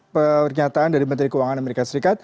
pernyataan dari menteri keuangan as